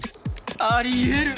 あり得る！